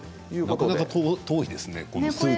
なかなか遠いですね